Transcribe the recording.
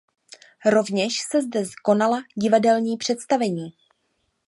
Rovněž se zde konala divadelní představení.